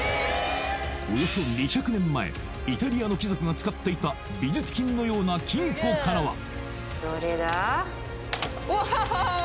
およそ２００年前イタリアの貴族が使っていた美術品のような金庫からはお！